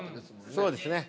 そうですね。